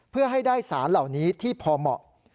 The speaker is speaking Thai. เพื่อให้ได้สารเหล่านี้ที่พอเหมาะ